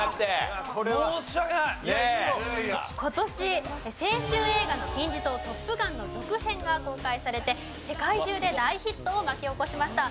今年青春映画の金字塔『トップガン』の続編が公開されて世界中で大ヒットを巻き起こしました。